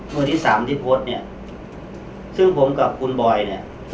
วันที่สามที่โพสต์เนี่ยซึ่งผมกับคุณบอยเนี่ย